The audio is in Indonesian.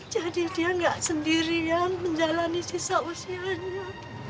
jadi dia tidak sendirian menjalani sisa usianya